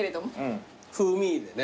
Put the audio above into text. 風味でね。